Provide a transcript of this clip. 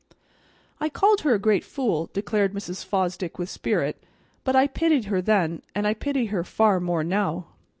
"I called her a great fool," declared Mrs. Fosdick, with spirit, "but I pitied her then, and I pity her far more now.